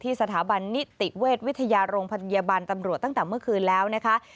สถาบันนิติเวชวิทยาโรงพยาบาลตำรวจตั้งแต่เมื่อคืนแล้วนะคะ